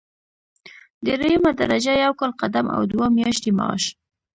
دریمه درجه یو کال قدم او دوه میاشتې معاش.